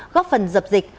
góp phần dập dịch